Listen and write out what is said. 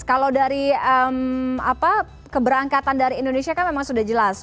kalau dari keberangkatan dari indonesia kan memang sudah jelas